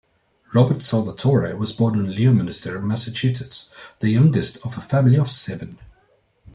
Robert Salvatore was born in Leominster, Massachusetts, the youngest of a family of seven.